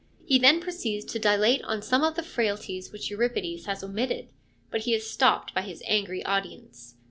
He then proceeds to dilate on some of the frailties which Euripides has omitted ; but he is stopped by his angry audience.